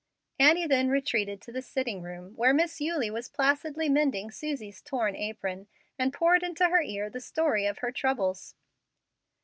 Annie then retreated to the sitting room, where Miss Eulie was placidly mending Susie's torn apron, and poured into her ears the story of her troubles.